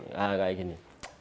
nah kayak gini